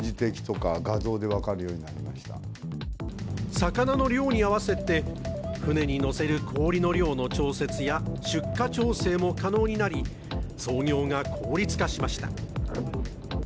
魚の量に合わせて船に載せる氷の量の調節や出荷調整も可能になり業務が効率化しました。